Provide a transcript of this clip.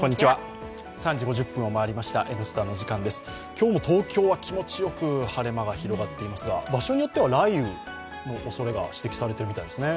今日も東京は気持ちよく晴れ間が広がっていますが、場所によっては雷雨の恐れが指摘されているみたいですね。